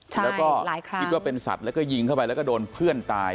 แล้วก็คิดว่าเป็นสัตว์แล้วก็ยิงเข้าไปแล้วก็โดนเพื่อนตาย